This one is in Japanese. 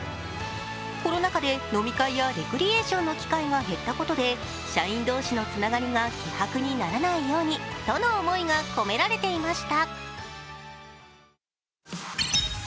コロナ禍で飲み会やレクリエーションの機会が減ったことで社員同士のつながりが希薄にならないようにとの思いが込められていました。